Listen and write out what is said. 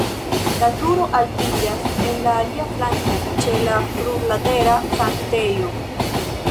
La turo altiĝas en la alia flanko ĉe la plurlatera sanktejo.